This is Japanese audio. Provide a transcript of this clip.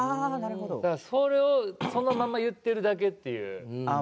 それをそのまま言っているだけっていうね。